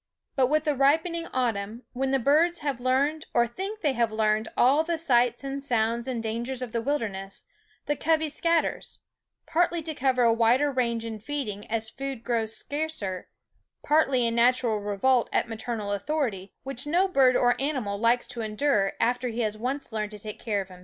But with the ripening autumn, when the birds have learned or think they have learned all the sights and sounds and dangers of the wilderness, the covey scatters; partly to cover a wider range in feeding as food grows scarcer; partly in natural revolt at maternal authority, which no bird or animal likes to endure after he has once learned to take 'care of himself.